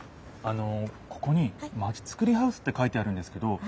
あのここに「まちづくりハウス」って書いてあるんですけど。